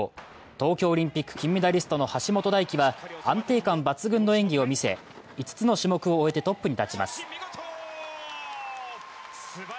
東京オリンピック金メダリストの橋本大輝は安定感抜群の演技を見せ、５つの種目を終えてトップに立ちます。